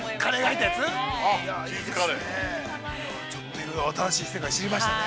いろいろ新しい世界知りましたね。